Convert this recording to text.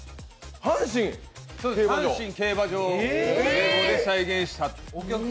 阪神競馬場をレゴで再現した。